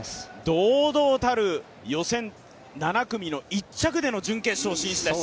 堂々たる予選７組の１着での準決勝進出です。